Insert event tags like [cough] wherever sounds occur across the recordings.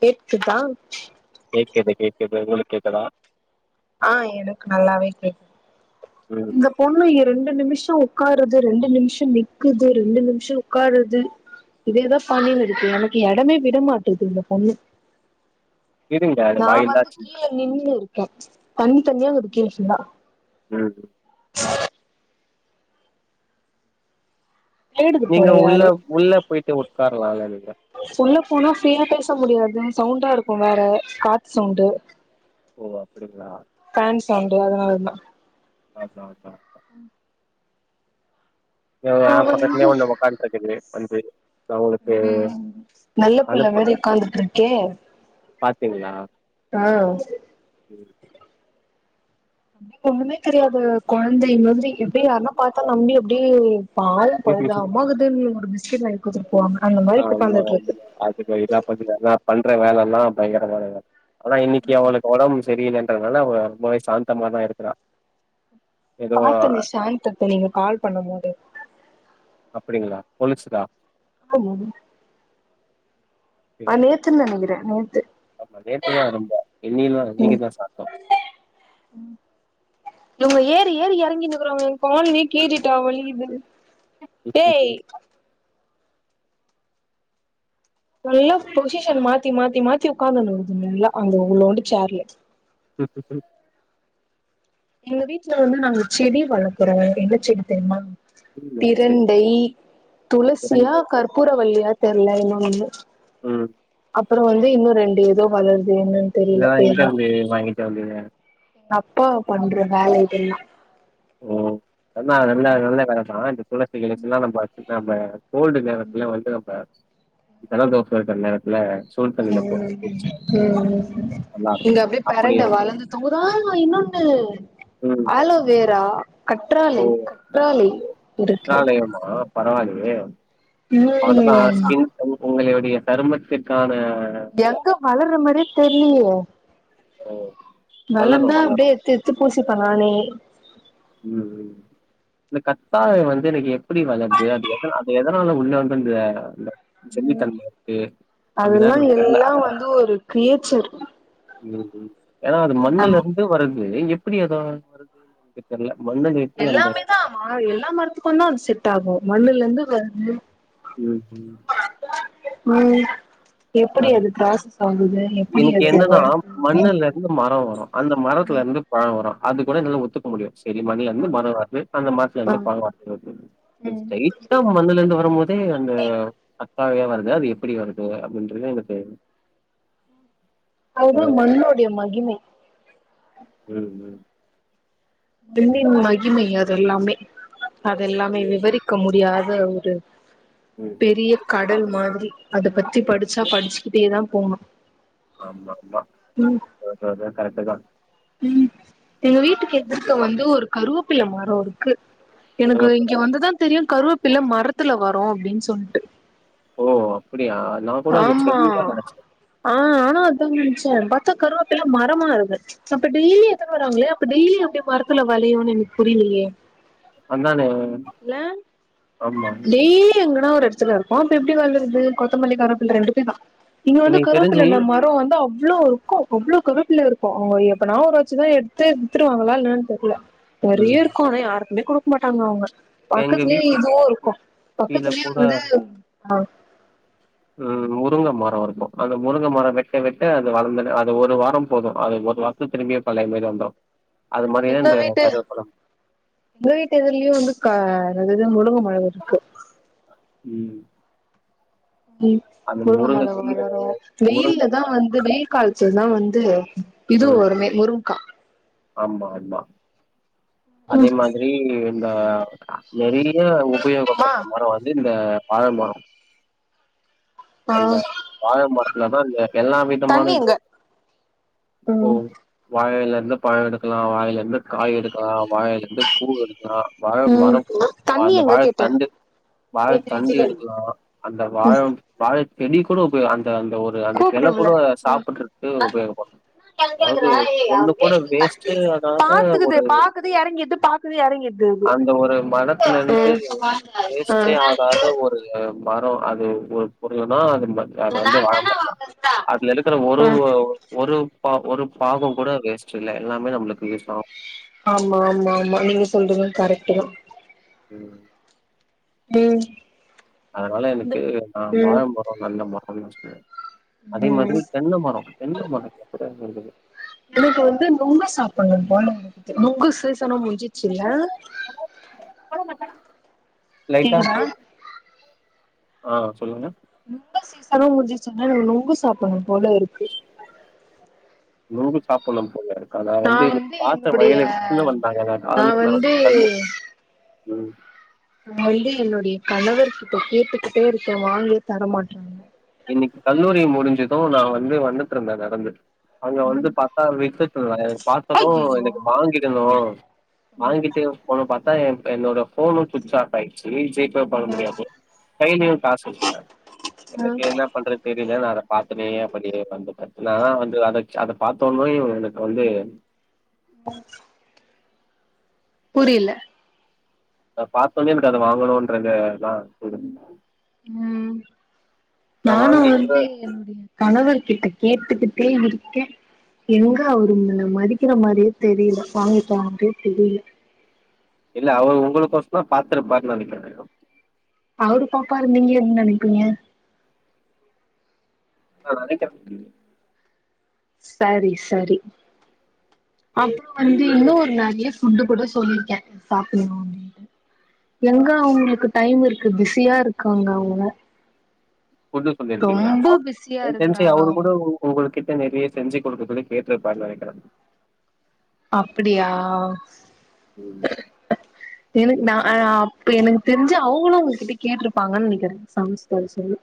கேட்குதா கேட்குது கேட்குது உங்களுக்கு கேட்குதா ஆ எனக்கு நல்லாவே ம். இந்தப் பொண்ணு எ ரெண்டு நிமிஷோ உட்கார்றது ரெண்டு நிமிஷோ நிக்குது ரெண்டு நிமிஷோ உக்காறது இதே தா பண்ணினு இருக்கு நமக்கு எடமே விடமாட்டுது இந்த பொண்ணு இருங்க அது நா வாயில்லா வந்து சி கீழ நின்னு இருக்க தண்ணி தண்ணியா கிது கீழ ஃபுல்லா ம் ம் தேடுது போல நீங்க யாரு உள்ள உள்ளப் போயிட்டு உட்காரலால்லா நீங்க. உள்ள போனா ஃப்ரீயா பேச முடியாது சவுண்டா இருக்கு வேற காத் சவுண்டு. ஓ அப்படிங்ளா? ஃபேன் சவுண்டு அதனாலதா. அதா அதா அதா எவ் நா ஏ வந்து பக்கத்லியு ஒன்னு ஒக்கான்ட்ருக்குது வந்து. து அவுங்குளுக்கு நல்ல பிள்ள அனுப்ப மாரி உக்காந்துட்டு இருக்கே பாத்தீங்ளா? அ ம். தம்பிக்கு ஒன்னுமே தெரியாது கொழந்தை மாதிரி எப்டி யாருன்னா பாத்தா நம்பி அப்டியே பாவோ பரிதாபமாக்குதுன் டு பிஸ்கெட் வாய்ங் குடுத்துட்டு போவாங்க அந்த மாரி இப்ப உக்காந்துட்ருக்கு. பாத்துக்க இதா பதில நா பண்ற வேலல்லா பயங்கர வேலதா ஆனா இன்னிக்கி அவனுக்கு ஒடம் செரியில்லன் அதனால அவ ரொம்பவே சாந்தமாதா இருக்குறா. ஏதோ பாத்தனே ஷாந்தத்த நீங்க கால் பண்ணமோது. அப்டிங்ளா கொலுசுதா ஆமாங்க அ அப்படியா? நேத்துன் நெனக்கிற நேத்து ஆமா நேத்துதா ரொம்பா இன்னிக்ல்லா இன்னக்கிதா சாப்ட்டோ. ம். இவ ங்க ஏறி ஏறி எறங்கினுக்கறாங்க எங் கால்லியே கீறிட்டா வலிகிது. ஏய் நல்லா பொசிஷன் மாத்தி மாத்தி மாத்தி உக்காந்துனுகுது நல்லா அந்த இவ்ளோன்டு சேர்ல. உ உ உ எங்க வீட்ல வந்து நாங்க செடி வளக்குறோ என்ன செடி தெரிமா? ம், சரி பிரண்டை, இறங்க. துளசியா கற்பூரவல்லியா தெர்ல என்ன ஒன்னு. ம். அப்பறோ வந்து இன்னு ரெண்டு எதோ வளருது என்னன் இதலா எங்கர்ந்து வாங்கிட்டு வந்திங்க? எங்க அப்பா பண்ற வேல இதேல்லா. ஓ நல்லா நல்ல வேலதா இந்த துளசி கிளசி எல்லா நம்ப வச்சு நம்ப கோல்டு நேரத்ல வந்து நம்ப ஜலதோஷோ இருக்கற நேரத்ல ம் ம் ம் ம் ம் ம். நல்லாருக்கும். இங்க அப்டியே பெரண்ட அப்படியா? வளந்து தொங்குது ஆ இன்னொன்னு ம். ஆலோவேரா கற்றாழை கற்றாழை இருக்கு. ஏம்மா பரவாலையே அவனதா ம் ஸ்கின் உங் உங்களையுடைய சருமத்திர்க்கான எங்க வளர்ற மாரியே தெரிலியே வளரும் வளந்தா அப்டே வளரும். எத்தெ த்து பூசிப்ப நானே. ம், ம். இந்த கத்தாழை வந்து எனக்கு எப்பிடி வளருது அது எத அது எதனால உள்ள வந்து அந்த ந்த ஜெல்லுதன்ம இர்க்கு அப்டிலா அதெல்லா எனக்கு தெர்ல எல்லா அத வந்து ஒரு கிரியேச்சர் ம் ம் ஏனா அது மண்ணுல இர்ந்து வரது எப்பிடி அது அ வரு தெர்ல மண்ட நிர்த்தி அந்த ஆ எல்லா மரத்துக்குந்தா அது செட்டாகு மண்ணுலந்து வருது ம் ம். ம் எப்புடி அது ப்ராசெஸ் ஆகுது எப்டி இன்னக்கி அது என்னன்னா வருது அப்டின்னு மண்ணுல அந்த தெரில மர வரு அந்த மரத்துலந்து பழ வரு அது கூட என்னால ஒத்துக்க முடியு செடி மண்லேருந்து மர வருது அந்த மரத்துலந்து பழ வரு ஆ இன் ஸ்டைட்டா மண்ணுலேந்து வரும் போதே அங்க அத்தாவையா வருது அது எப்புடி வருது அப்டின்றது எனக்கு வர அதுதா மண்ணோடிய மகிமை ம் ம் விண்ணின் மகிமை அதெல்லாமே அதெல்லாமே விவரிக்க முடியாத ஒரு ம் ம் பெரிய கடல் மாதிரி அத பத்தி படுச்சா படுச்சுக்கிட்டே தா போனு ஆமாமா அதா அதா கரெட்டுதா ம் எங்க வீட்டுக்கு எதுர்க்க ஆ, வந்து ஒரு கருவப்பில்ல மரோருக்கு எனக்கு கருவேப்பிலை இங்க வந்துதா தெரியு கருவப்பில்ல மரத்துல வரு அப்டின் சொல்ட்டு ஓ அப்டியா நா கூட அது ஆமா செடிதா நெனச்ச ஆ ஆனா அதா நெனச்ச பாத்தா கருவப்பில்ல மரமா வருது அப்ப டெய்லி எத்துன்னு வராங்களே அப்ப டெய்லி எப்டி மரத்துல வெளையுன்னு எனக்கு புரியிலையே வந்தானே ஆமா டெய்லி எங்கனா ஒரு எடத்துல இருக்கோ அப்ப எப்டி வளருது கொத்தமல்லி கருவப்பில்ல ரெண்டுமே தா இங்க வந்து எனக்கு கருவப்பில தெரிஞ்சு த மரோ வந்து அவ்ளோ க்கு அவ்ளோ கருவப்பில்ல இருக்கு அவுங்க எப்பனா ஒரு வாச்சுதா எடுத்து வித்துருவாங்களா என்னன்னு தெர்ல ம் நெறைய இருக்கு ஆனா யாருக்குமே குடுக்க மாட்டாங்க அவங்க எங்க பக்கத்துலயே வீட்டுக் இதுவு இருக்கு கீழ பக்கத்துலயே கூட வந்து ஆ ம் முருங்க மரோ இருக்கு அத முருங்க மரோ வெட்ட வெட்ட அது வளர்ந்துடு அது ஒரு வாரோ போது அது ஒரு வாரோ து திரும்பி அது பழையமாரி வந்துரு அது மாரிதா எங்க இந்த வீட்டு கருவேப்பில எங்க வீட்டு இதுலியு வந்து கா அது இது முருங்க மரோ இருக்கு ம் ம் அந்த முருங்க மள கீர வளரு முருங்க வெயில்ல தா வந் இந்த வெயில் காலத்துல தா வந்து இது ம் வருமே முருங்க்கா ஆமா ஆமா அதே ம் மாதிரி இந்த நெறைய மா உபயோகப்பட்ற மரோ வந்து இந்த வாழமரோ ஆ அந்த வாழ மரத்துலதா அந்த எல்லா தண்ணி விதமான எங்க ஓ ம் வாழை எலலேந்து பழ எடுக்கலா வாழை எலலேந்து காய் எடுக்கலா டைலேந்து பூ எடுக்கலா வாழ ம் மரம் ஆ தண்ணி அந்த எங்க கேட்டே வாழத்தண்டு வாழத்தண்டு எடுக்கலா அந்த வாழ வாழ செடி கூட உபயோ அந்த அந்த ஒர் உ அந்த கெள கூட கூப்புடுதுல சாப்புட்ருக்கு உபயோகப்படு [unintelligible] அதாவது ஒண்ணு கூட வேஸ்ட்டே ஆகாத பாத்துக்குது ஒரு பாக்குது எறங்கிது பாத் குது எறங்கிர்து அந்த ஒரு மனத்துலருந்து ஆ வேஸ்ட்டே ஆகாத ஒரு ஆ மரோ அது ஒரு பொருளுன்னா அது ம அது வந்து வாழமரந்தா அதுல இருக்குற ஒரு ஆ ஒரு பா ஒரு பாகோ கூட வேஸ்ட் இல்ல எல்லாமே நம்மளுக்கு யூஸ் ஆகு ஆமா ஆமா ஆமா நீங்க சொல்றது கரெக்ட்டுதா ம் ம் அதனால எனக்கு நா வாழ ம் மரோ நல்ல மரோன் சொன்னே அதே ம் மாதிரி தென்ன மரோ தென்ன மரோ [inaudible] எனக்கு வந்து நுங்கு சாப்புட்ணு போலருக்குது நுங்கு சீசனு முஞ்சிட்ச்சுல்ல லைட்டா கேக்குதா போடு ஆ சொல்லுங்க நுங்கு சீசனு முடிஞ்சிச்சு சொன்ன எனக் நுங்கு சாப்புட்ணு போல இருக்கு நுங்கு சாப்புட்னு போல அதா நா வந்து இன்னைக்கு பாத்தே என்னுடைய வயல்ல எடுத்துல வந்தாங்க [inaudible] நா வந்து கல்லு ம் நா வந்து என்னுடைய கணவர் கிட்ட கேட்டுக்கிட்டே இருக்கே வாங்கியே தரமாட்றாங்க இன்னைக்கு கல்லூரி முடிஞ்சது நா வந்து வந்துட்ருந்த நடந்து அங்க வந்து ம் பாத்தா வித்துட்ருந்தாங்அத பாத்தது அய்யய்யோ எனக்கு வாங்கிடணு வாங்கிட்டு ஏ ஃபோன பாத்தா ஏ என்னோட ஃபோனு சுச் ஆஃப் ஆயி ச்சி ஜி பே பண்ண அ முடியாது கைலியு காசு இல்ல அ எனக்கு என்ன பண்றது தெரில நா அத பாத்துனே அப்டியே வந்துட்டே நா வந்து அத ச அத பாத்தோன்னு இவ எனக்கு வந்து [inaudible] புரில்ல அத பாத்தொன்னே எனக்கு அத வாங்கணுன்றத தா [inaudible] ம் நான் நானு வாங்கி வந்து என்னுடைய கணவர் கிட்ட கேட்டுக்கிட்டே இருக்கே எங்க அவரு என்ன மதிக்கிற மாரியே தெரில வாங்கி தர மாரியே தெரில இல்ல அவரு உங்களுக்கு ஓசோறோ தா பாத்துருப்பாருனு நெனக்கிறே அவரு பாப்பாரு நீங்க என்ன நெனைப்பீங்க நா நெனைக்கிறே சரி சரி அப்றோ வந்து இன்னு ஒரு நிறைய ஃபுட்டு கூட சொல்லிருக்கே சாப்புடணு அப்டின்ட்டு எங்க அவுங்களுக்கு டைம் இருக்கு பிஸியாருக்காங்க அவுங்க ஃபுட் சொல்லிருக்கீங்ளா மா பிஸியா எனக்கு தெரிஞ்சு இருக்குறாங்க அவரு அவங்க கூட உங்கள் கிட்ட நறைய செஞ்சு குடுக்க சொல்லி கேட்ருப்பாருனு நெனைக்கிறே அப்டியா ம் எனக்கு நா ஆ இப்ப எனக்கு தெரிஞ்சு அவங்களு உங்ககிட்ட கேட்ருப்பாங்கன் நெனைக்கிறே சமச்சு தர சொல்லி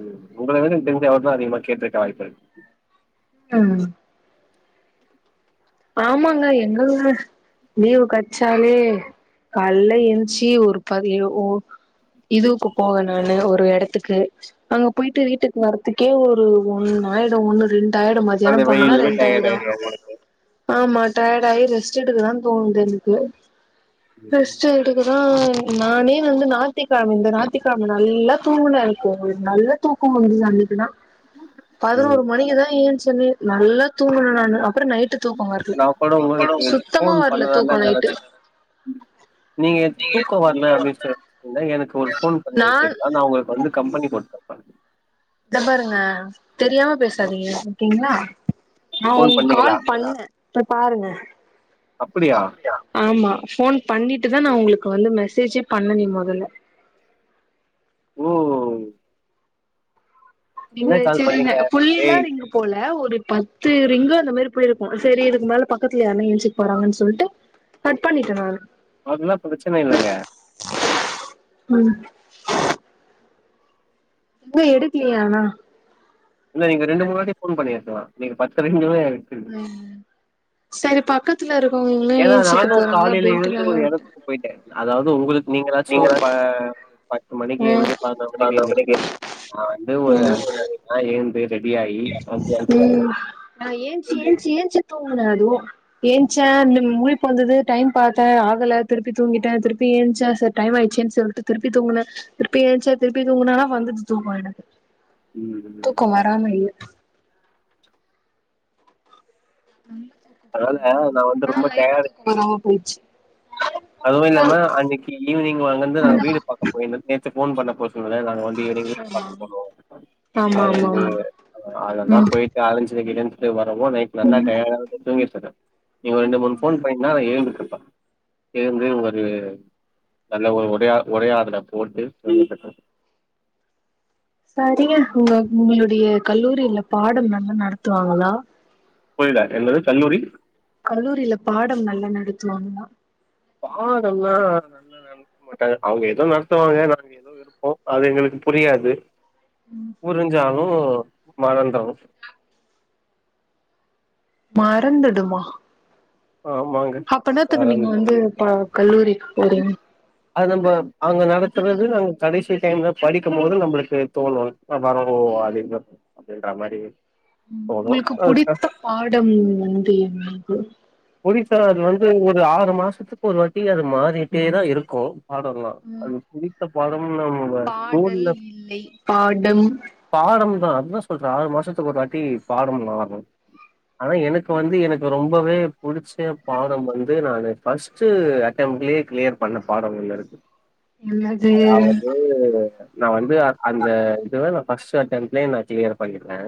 ம் உங்கள விட எனக் தெரிஞ்சு அவரு தா அதிகமா கேட்ருக்க வாய்ப்பு இருக்கு ம் ஆமாங்க எங்களுமே லீவு கச்சாலே கால்ல ஏன்ச்சி ஒரு பதி ஓ இதுவுக்கு போக நானு ஒரு எடத்துக்கு அங்க போய்ட்டு வீட்டுக்கு வரத்துக்கே ஒரு ஒன்னாய்டு ஒன்னு ரெண் டாய்டு மதியானோ அந்த போனனா வெயில்லயே டயர்ட் ரெண்டாய்டு ஆயிடுவா உங்களுக்கு ஆமா டயர்டாயி ரெஸ்ட் எடுக்கதா தோணுது எனக்கு ரெஸ்ட் எடு ஏனா நானே வந்து நாயித்து கெழம இந்த நாயித்திக்கெழம நல்லா தூங்குன [inaudible] நல்ல தூக்கோ வருது அன்னைக்கு தா ம் பதினோரு மணிக்குதா ஏஞ்ச்சனே நல்லா தூங்க நானு அப்றோ நைட்டு தூக்கோ நா கூட வர்ல உங்களுக்கு சுத்தமா ஃபோன் வர்ல பண்ணலான்தா தூக்கோ நைட்டு நெனச்சே நீங்க தூக்க வர்ல அப்டின் சொ சொன்னா எனக்கு ஒரு ஃபோன் பண்ணி நான் இருந்திருந்தா நா ஒங்களுக் வந்து கம்பனி குடுப் இந்த பாருங்க தெரியாம பேசாதீங்க ஓகேங்களா நா ஃபோன் ஒங்களுக் கால் பண்ணீங்களா பண்ணே போய் பாருங்க அப்டியா ஆமா ஃபோன் பண்ணிட்டு தா நா ஒங்களுக்கு வந்து மெசேஜே பண்ணுனே மொதல்ல ஓ நீங்க என்ன கால் செரிங்க பண்ணீங்க புள்ளில்லா ஏய் றீங்க போல ஒரு பத்து ரிங்கு அந்த மாரி போய் இருக்கு சேரி இதுக்கு மேல பக்கத்துல யாரன என்ச்சுக்க போறாங்கன் சொல்ட்டு கட் பண்ணிட்டே நானு அதல்லா பிரச்சன இல்லங்க ம் ஆனா எடுக்லயே ஆனா இல்ல நீங்க ரெண்டு மூணு வாட்டி ஃபோன் பண்ணிருக்கலா நீங்க பத்து ரிங்ல தா எடு ம் செரி பக்கத்துல இருக்கவங்கல்ல ஏன்சுக்கு போறாங்க அப்டின்ட்டு நானு வுட்டே போய்ட்டு அதாவது ஒங்களுக்கு நீங்க ஏதாச்சு ஒரு ப பத்து மணிக்கு ம் ஏழ்ந்து பதனொரு மணிக்கு ஏந்தி நா வந்து ஒரு அஞ்சு மணிக்குலா ஏழ்ந்து ம் நா ஏன்ச்சு எழுந்து ஏன்ச்சு ஏன்ச்சு தூங்குனே அதுவு ஏன்ச்சே அந்த முழிப்பு வந்தது டைம் பாத்தே ஆகல திருப்பி தூங்கிட்டே திருப்பி ஏன்ச்சே சர் டைம் ஆயிச்சேன் சொல்ட்டு திருப்பி தூங்குனே திருப்பி ஏன்ச்சா திருப்பி தூங்குனே ஆனா வந்துட்டு தூங்கோ எனக்கு தூக்கோ ம் வராம இல்ல [unintelligible] அதாவதுங்க நா வந்து ரொம்ப டயாடு வரமா போய்ச்சு அதுவு இல்லாம அன்னக்கி ஈவ்னிங் வந்து நாங்க வீடு பாக்க போயிருந்தோ நேத்து ஃபோன் பண்ண அப்போ இவள நாங்க வந்து ஈவ்னிங் வீடு பாக்க போனோ ஆமா அது ஆமா வந்து ஆமா அது தா ம் போயிட் அலஞ்சு கிழஞ்சுட்டு வரவு நைட் நல்லா டயடா தூங்கிட் இருக்கே நீங்க ஒரு ரெண்டு மூணு ஃபோன் பண்ணிருந்தா நா ஏழ்ந்துட்ருப்பே ஏழ்ந்து ஒரு நல்ல ஒரு ஒடையா ஒரையாடல போட்டு தூங்கிட்ருப்பே சரிங்க ஒங்க ஒங்களுடைய கல்லூரில பாடம் நல்லா நடத்துவாங்களா புரீல என்னது கல்லூரி கல்லூரில பாடம் நல்லா நடத்துவாங்ளா பாடம்னா நடத்த மாட்டாங்க அவுங்க ஏதோ நடத்துவாங்க நாங்க [unintelligible] அது எங்களுக்கு புரியாது புருஞ்சாலு மறந்துரு மறந்துடுமா ஆமாங்க அப்ப என்னாத்துக்கு மறந் நீங்கோ வந்து இப்ப கல்லூரிக்கு போறீங்க அது நம்ம அங்க நடத்துறது நாங்க கடைசி டைம்ல படிக்கும் போது நம்மளுக்கு தோணு இப்ப பறகோ வாலிப அப்டின்ற மாரி தோணு உங்களுக்கு அதுக்கு புடித்த பாடம் வந்து என்னாது புடிச்சா அது வந்து ஒரு ஆறு மாசத்துக்கு ஒரு வாட்டி அது மாறிட்டே தா இருக்கு பாடல் லா ம் அதுக்கு புடித்த பாடம் நம் பாடல் இல்லை பாடம் பாடம் தா அதுதா சொல்றே ஆறு மாசத்துக்கு ஒரு வாட்டி பாடம் மாறு ஆனா எனக்கு வந்து எனக்கு ரொம்பவே புடிச்ச பாடம் வந்து நானு ஃபஸ்ட்டு அட்டம்ட்லேயே கிளியர் பண்ண பாடம் ஒன்னு இருக்கு என்னது அதாவது நா வந்து அந்த இதுவ நா ஃபஸ்டு அட்டம்ட்லே நா கிளியர் பண்ணிடுவே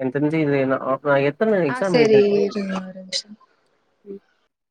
எனக்கு தெரிஞ்சு இது நா ஆஃப்லாயர் எத்தனதடவ ஆ எக்ஸ்சாம் சரி எழுதிருக்கன்னு எனக்கு இருங்க ஒரு நிமிஷோ [inaudible]